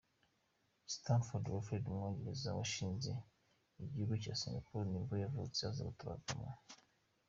Stamford Raffles, umwongereza washinze igihugu cya Singapore nibwo yavutse, aza gutabaruka mu .